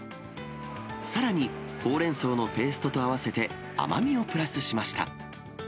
さらにホウレンソウのペーストと合わせて、甘みをプラスしました。